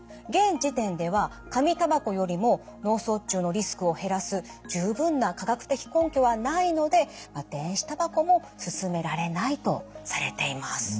現時点では紙タバコよりも脳卒中のリスクを減らす十分な科学的根拠はないので電子タバコも勧められないとされています。